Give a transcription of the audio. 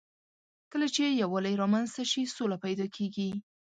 کله چې یووالی رامنځ ته شي، سوله پيدا کېږي.